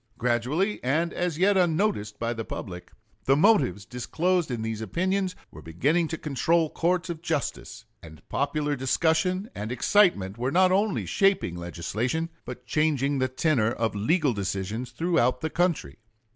Gradually, and as yet unnoticed by the public, the motives disclosed in these opinions were beginning to control courts of justice, and popular discussion and excitement were not only shaping legislation, but changing the tenor of legal decisions throughout the country.